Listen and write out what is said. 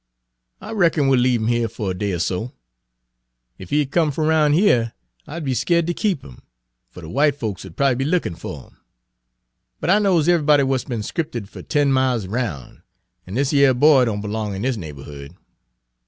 "I reckon we'll leave 'im yere fer a day er so. Ef he had come f'om roun' yere I'd be skeered ter keep 'im, fer de w'ite folks 'u'd prob'ly be lookin' fer 'im. But I knows ev'ybody w'at's be'n conscripted fer ten miles 'roun', an' dis yere boy don' b'long in dis neighborhood.